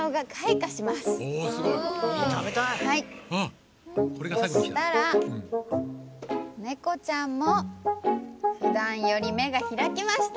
そしたらねこちゃんもふだんよりめがひらきました。